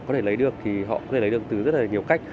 có thể lấy được thì họ có thể lấy được từ rất là nhiều cách